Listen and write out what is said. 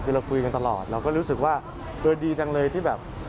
คือเราคุยกันตลอดเราก็รู้สึกว่าเออดีจังเลยที่แบบ